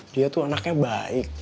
dia tuh anaknya baik